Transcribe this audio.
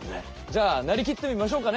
じゃあなりきってみましょうかね！